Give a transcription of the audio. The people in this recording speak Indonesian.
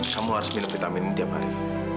kamu harus minum vitamin ini tiap hari